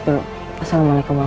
kita harus segera pergi